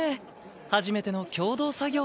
初めての共同作業。